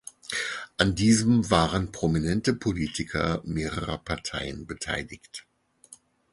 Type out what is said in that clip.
An diesem waren prominente Politiker mehrerer Parteien beteiligt.